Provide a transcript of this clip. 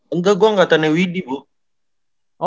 enggak gue gak tanding widhi bro